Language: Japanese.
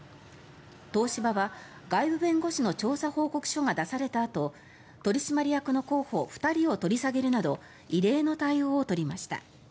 東芝は外部弁護士の調査報告書が出されたあと取締役の候補２人を取り下げるなど異例の対応を取りました。